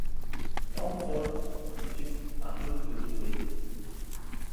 Ном сурах бичиг авч өгөх хэрэгтэй.